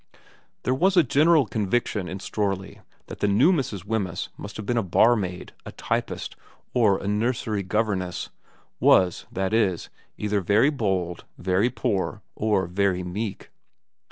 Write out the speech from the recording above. There was a general conviction in Strorley that the new Mrs. Wemyss must have been a barmaid, a typist, or a nursery governess, was, that is, either very bold, very poor, or very meek.